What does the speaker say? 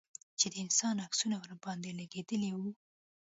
چې د انسان عکسونه ورباندې لگېدلي وو.